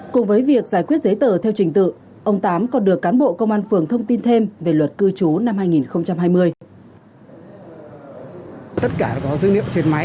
cùng với việc giải quyết giấy tờ theo trình tự ông tám còn được cán bộ công an phường thông tin thêm về luật cư trú năm hai nghìn hai mươi